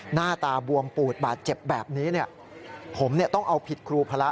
หน้าตาบวมปูดบาดเจ็บแบบนี้เนี่ยผมต้องเอาผิดครูพระ